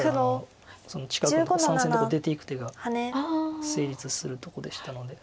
その近くの３線のとこ出ていく手が成立するとこでしたので。